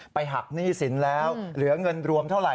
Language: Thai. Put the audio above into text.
หักหนี้สินแล้วเหลือเงินรวมเท่าไห